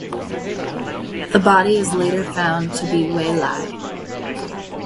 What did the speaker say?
The body is later found to be Wei Lai.